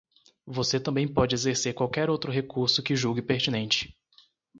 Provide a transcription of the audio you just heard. Você também pode exercer qualquer outro recurso que julgue pertinente.